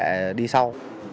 để đi sau